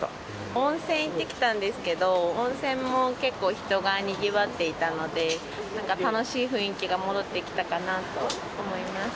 温泉行ってきたんですけど、温泉も結構人がにぎわっていたので、なんか楽しい雰囲気が戻ってきたかなと思います。